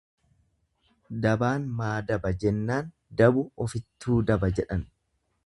Dabaan maa daba jennaan dabu ufittuu daba jedhan.